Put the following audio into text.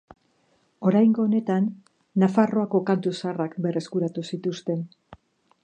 Oraingo honetan, Nafarroako kantu zaharrak berreskuratu zituzten.